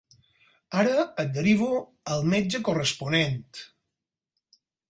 Ara et derivo al metge corresponent.